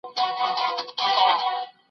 ستا له خیبر سره ټکراو ستا حماقت ګڼمه